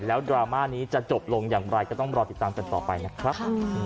แล้วดราม่านี้จะจบลงอย่างไรก็ต้องรอติดตามกันต่อไปนะครับ